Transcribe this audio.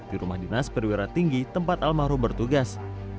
di rumah dinas perwira tinggi tempat almarhum bertugas